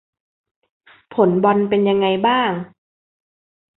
ผลบอลเป็นยังไงบ้าง